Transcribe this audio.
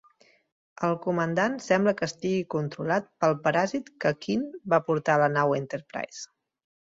El comandant sembla que estigui controlat pel paràsit que Quinn va portar a la nau Enterprise.